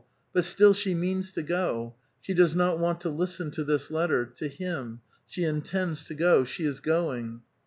But still she means to go. She does uot want to listen to this letter, — to him ; she nitends to go ; she is going.